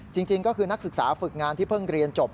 จริงก็คือนักศึกษาฝึกงานที่เพิ่งเรียนจบ